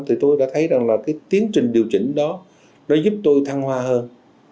thì tôi đã thấy rằng là cái tiến trình điều chỉnh đó nó giúp tôi thăng hoa hơn